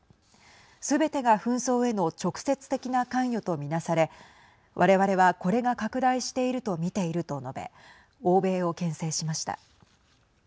すべてが紛争への直接的な関与と見なされ我々はこれが拡大していると見ていると述べ欧米をけん制しました。